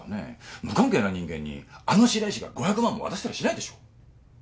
無関係な人間にあの白石が５００万も渡したりしないでしょ。